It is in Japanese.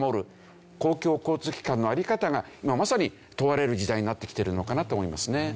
公共交通機関の在り方が今まさに問われる時代になってきてるのかなと思いますね。